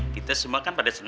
kita semua kan pada seneng